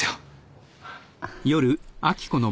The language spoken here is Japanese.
ああ。